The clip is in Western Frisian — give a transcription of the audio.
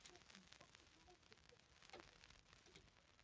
De polysje hat efterhelle wa't mandélich wiene oan it wangedrach.